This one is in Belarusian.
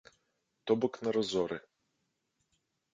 То бок на разоры.